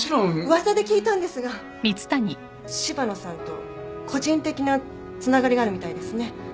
噂で聞いたんですが柴野さんと個人的なつながりがあるみたいですね。